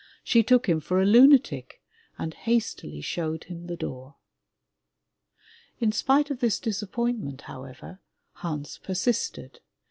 She took him for a lunatic and hastily showed him the door. In spite of this disappointment, however, Hans persisted.